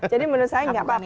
jadi menurut saya nggak apa apa